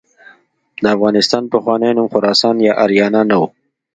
د افغانستان پخوانی نوم خراسان یا آریانا نه و.